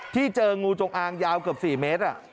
เจองูจงอางยาวเกือบ๔เมตร